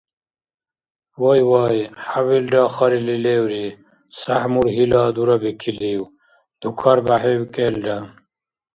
– Вай-вай, хӀябилра харили леври, сяхӀ мургьила дурабикилив? – дукарбяхӀиб кӀелра.